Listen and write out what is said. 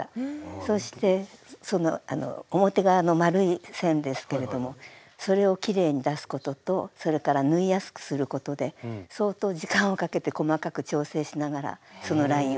そしてその表側の丸い線ですけれどもそれをきれいに出すこととそれから縫いやすくすることで相当時間をかけて細かく調整しながらそのラインを作りました。